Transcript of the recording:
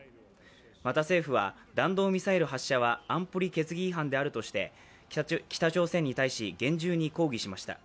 また政府は弾道ミサイル発射は安保理決議違反であるとして北朝鮮に対し、厳重に抗議しました